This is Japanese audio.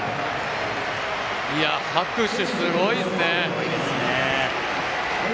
拍手すごいっすね。